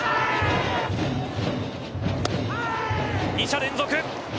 ２者連続。